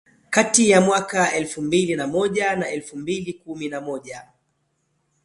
Kati ya mwaka wa elfu mbili na moja na elfu mbili kumi na moja